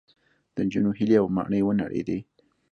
د نجونو هیلې او ماڼۍ ونړېدې